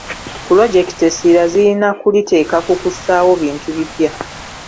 Pulojekiti essirira zirina kuliteeka ku kussaawo bintu bipya.